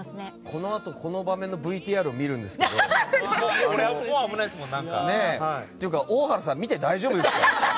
このあとこの場面のＶＴＲを見るんですけども大原さん見て大丈夫ですか？